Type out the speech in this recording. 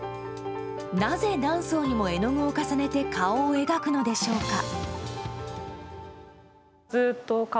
なぜ何層にも絵の具を重ねて顔を描くのでしょうか。